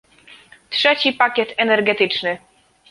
trzeci pakiet energetyczny